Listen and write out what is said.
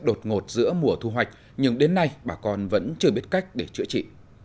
đột ngột giữa mùa thu hoạch nhưng đến nay bà con vẫn chưa biết cách để chữa trị